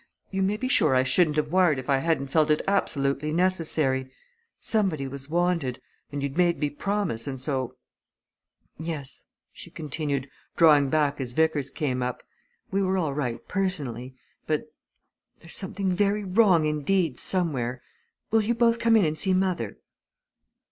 You may be sure I shouldn't have wired if I hadn't felt it absolutely necessary. Somebody was wanted and you'd made me promise, and so Yes," she continued, drawing back as Vickers came up, "we are all right, personally, but there's something very wrong indeed somewhere. Will you both come in and see mother?"